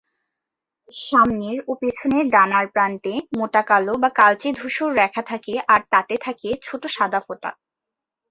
সামনের ও পেছনের ডানার প্রান্তে মোটা কালো বা কালচে-ধূসর রেখা থাকে; আর তাতে থাকে ছোট সাদা ফোঁটা।